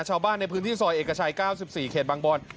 ชาวบ้านในพื้นที่ซอยเอกชัย๙๔เขตบางบอน